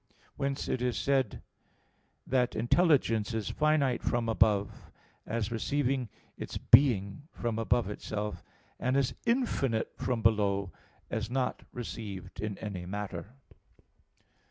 Whence it is said (De Causis, prop. 16) that "intelligence is finite from above," as receiving its being from above itself, and is "infinite from below," as not received in any matter.